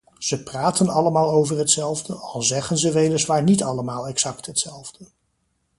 Ze praten allemaal over hetzelfde, al zeggen ze weliswaar niet allemaal exact hetzelfde.